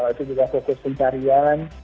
itu juga fokus pencarian